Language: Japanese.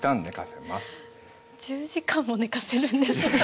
１０時間もねかせるんですね。